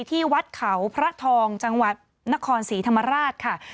ที่วัดเขาพระทองจังหวัดนครศรีธรรมราชค่ะ